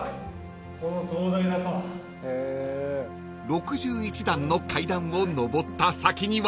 ［６１段の階段を上った先には］